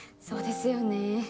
そうですよね。